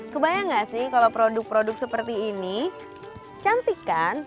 kebayang gak sih kalau produk produk seperti ini cantik kan